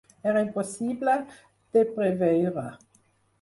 Era impossible de preveure